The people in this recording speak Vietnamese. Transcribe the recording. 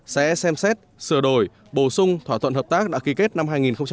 sẽ xem xét sửa đổi bổ sung thỏa thuận hợp tác đã ký kết năm hai nghìn một mươi năm